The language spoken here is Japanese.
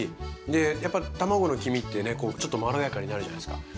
でやっぱ卵の黄身ってねこうちょっとまろやかになるじゃないですか。